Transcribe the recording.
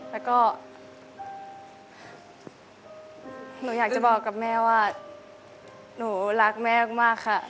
แล้วก็หนูอยากจะบอกกับแม่ว่าหนูรักแม่มากค่ะ